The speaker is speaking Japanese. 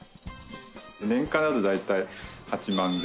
年間だと大体８万膳。